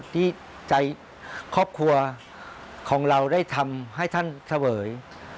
ที่ใจครอบครัวของเราได้ทำให้ท่านเสวย